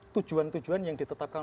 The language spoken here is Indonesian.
tujuan tujuan yang ditetapkan